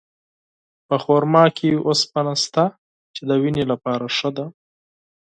په خرما کې اوسپنه شته، چې د وینې لپاره ښه ده.